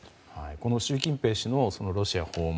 この習近平氏のロシア訪問